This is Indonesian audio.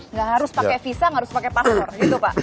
nggak harus pakai visa nggak harus pakai paspor gitu pak